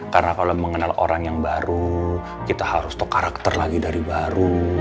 karena kalau mengenal orang yang baru kita harus tau karakter lagi dari baru